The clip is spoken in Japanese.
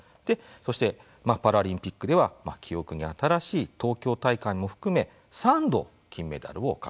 そして、パラリンピックでは記憶に新しい東京大会も含め３度、金メダルを獲得しています。